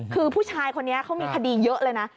คือผู้ชายคนนี้เขามีคดีเยอะเลยนะ